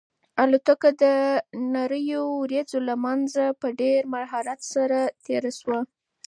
الوتکه د نريو وريځو له منځه په ډېر مهارت سره تېره شوه.